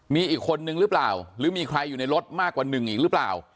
มีอีกคนนึงหรือเปล่าหรือมีใครอยู่ในรถมากกว่าหนึ่งอีกหรือเปล่า